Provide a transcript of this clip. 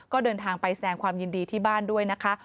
ก็เดินทางไปแสดงความยินดีที่บ้านด้วยนะคะ